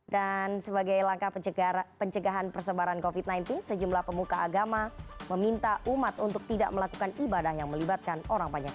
dan sebagai langkah pencegahan persebaran covid sembilan belas sejumlah pemuka agama meminta umat untuk tidak melakukan ibadah yang melibatkan orang panjang